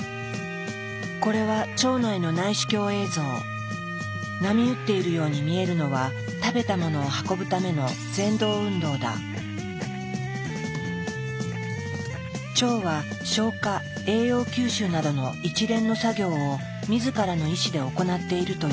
これは波打っているように見えるのは食べたものを運ぶための腸は消化・栄養吸収などの一連の作業を自らの意思で行っているという。